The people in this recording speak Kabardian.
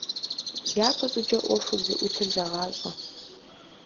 Япэщӏыкӏэ ӏуэхур зыӀутыр зэгъащӏэ.